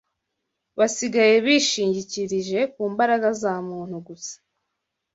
basigaye bishingikirije ku mbaraga za muntu gusa